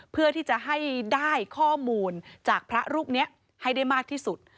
เพื่อที่จะให้ได้ข้อมูลจากพระรูปนี้ให้ได้มากที่สุด